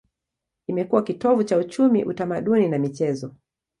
Imekuwa kitovu cha uchumi, utamaduni na michezo.